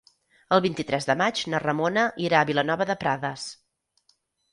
El vint-i-tres de maig na Ramona irà a Vilanova de Prades.